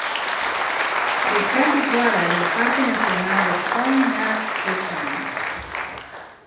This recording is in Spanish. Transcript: Está situada en el parque nacional de Phong Nha-Ke Bang.